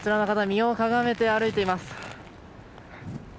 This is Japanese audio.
身をかがめて歩いています。